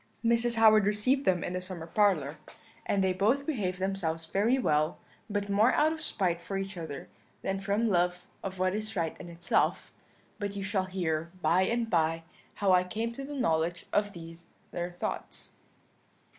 "Mrs. Howard received them in the summer parlour, and they both behaved themselves very well, but more out of spite for each other than from love of what is right in itself; but you shall hear by and by how I came to the knowledge of these their thoughts.